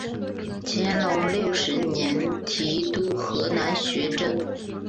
乾隆六十年提督河南学政。